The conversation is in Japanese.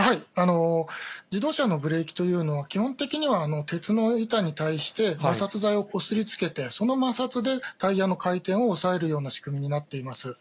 自動車のブレーキというのは、基本的には鉄の板に対して摩擦材をこすりつけて、その摩擦でタイヤの回転を抑えるような仕組みになっています。